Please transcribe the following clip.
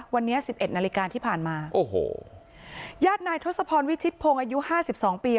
วันนี้สิบเอ็ดนาฬิกาที่ผ่านมาโอ้โหญาตินายทศพรวิชิตพงศ์อายุห้าสิบสองปี